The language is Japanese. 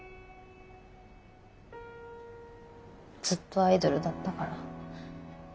ずっとアイドルだったから。